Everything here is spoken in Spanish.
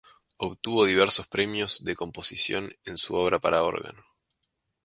Obtuvo diversos premios de composición en su obra para órgano.